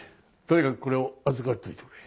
とにかくこれを預かっておいてくれ。